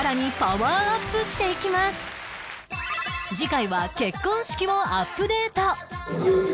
次回は結婚式をアップデート